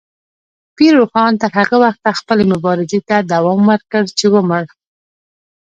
پیر روښان تر هغه وخته خپلې مبارزې ته دوام ورکړ چې ومړ.